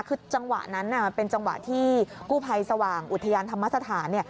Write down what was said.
คือจังหวะนั้นมันเป็นจังหวะที่กู้ภัยสว่างอุทยานธรรมสถาน